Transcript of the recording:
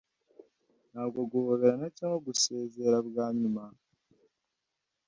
ntabwo guhoberana cyangwa gusezera bwa nyuma.